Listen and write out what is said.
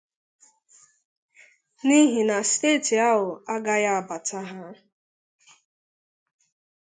n'ihi na steeti ahụ agaghị abàta ha.